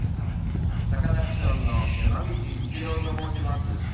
サカナクションの山口一郎と申します。